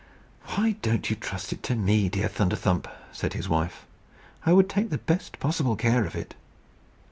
"Why don't you trust it to me, dear Thunderthump?" said his wife. "I would take the best possible care of it."